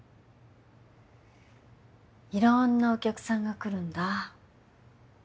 いろんなお客さんが来るんだ。